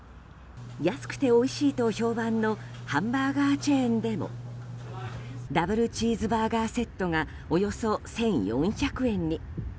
安くておいしいと評判のハンバーガーチェーンでもダブルチーズバーガーセットがおよそ１４００円に。